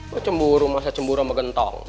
gue cemburu masa cemburu sama gentong